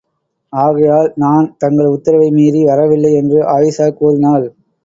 ஆகையால், நான் தங்கள் உத்தரவை மீறி வரவில்லை என்று ஆயிஷா கூறினாள்.